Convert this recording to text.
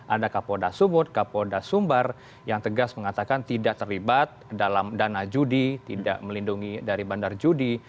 ada kapolda subud kapolda sumbar yang tegas mengatakan tidak terlibat dalam dana judi tidak melindungi dari bandar judi